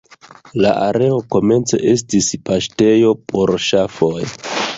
La areo komence estis paŝtejo por ŝafoj.